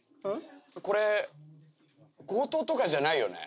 これ強盗とかじゃないよね？